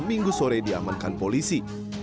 minggu sore diamankan polisi